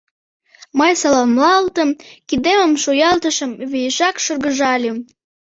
Мый саламлалтым, кидемым шуялтышым, виешак шыргыжальым.